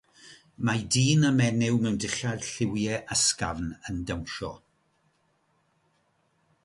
Mae dyn a menyw mewn dillad lliwiau ysgafn yn dawnsio.